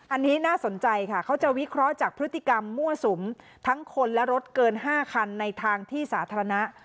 อันนี้น่าสนใจค่ะเขาจะวิเคราะห์จากพฤติกรรมมั่วสุมทั้งคนและรถเกิน๕คันในทางที่สาธารณะ